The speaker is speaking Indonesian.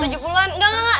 enggak enggak enggak